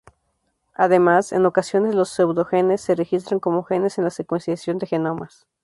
Además, en ocasiones los pseudogenes se registran como genes en la secuenciación de genomas.